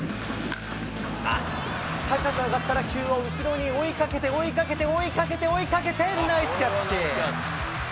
高く上がった打球を後ろに追いかけて追いかけて追いかけて、追いかけて、追いかけて、ナイスキャッチ。